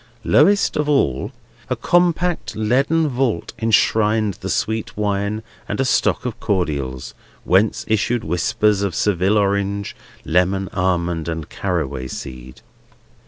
Lowest of all, a compact leaden vault enshrined the sweet wine and a stock of cordials: whence issued whispers of Seville Orange, Lemon, Almond, and Caraway seed.